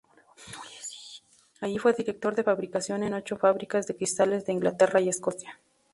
Allí fue director de fabricación en ocho fábricas de cristales de Inglaterra y Escocia.